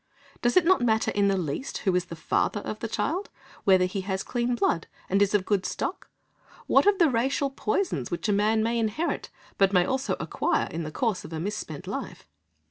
Does it not matter in the least who is the father of the child? Whether he has clean blood, and is of good stock? What of the racial poisons which a man may inherit, but may also acquire in the course of a misspent life?